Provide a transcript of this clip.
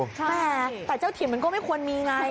แต่เจ้าถิ่นมันก็ไม่ควรมีไง